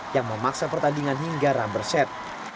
yang memaksa pertandingan hingga ram berset